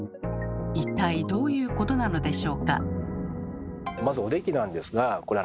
一体どういうことなのでしょうか？